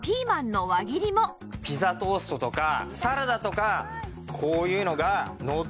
ピザトーストとかサラダとかこういうのがのってたら。